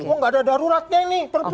oh nggak ada daruratnya ini perpu